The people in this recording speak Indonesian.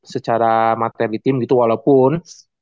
secara materi tim gitu walaupun